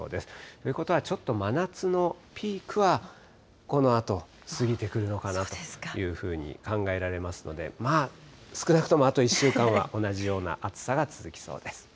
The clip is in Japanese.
ということはちょっと真夏のピークはこのあと過ぎてくるのかなというふうに考えられますので、まあ、少なくともあと１週間は同じような暑さが続きそうです。